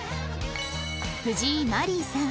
藤井マリーさん